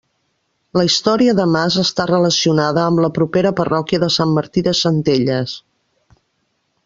La història de mas està relacionada amb la propera parròquia de Sant Martí de Centelles.